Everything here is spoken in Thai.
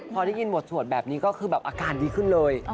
พอได้ยินบทสวดแบบนี้ก็คือแบบอาการดีขึ้นเลย